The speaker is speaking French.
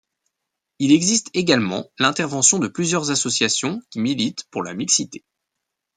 Il existe également l'intervention de plusieurs associations qui militent pour la mixité.